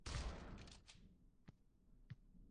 Bizning sinfdagi Munisaxon uy maktabida o`qiydi